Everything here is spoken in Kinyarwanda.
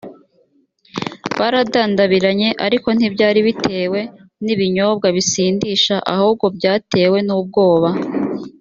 baradandabiranye ariko ntibyari bitewe n ibinyobwa bisindisha ahubwo byatewe nubwoba